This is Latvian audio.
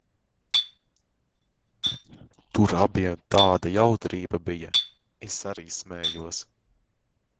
Tur abiem tāda jautrība bija, es arī smējos.